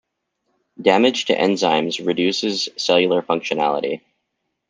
Damage to enzymes reduces cellular functionality.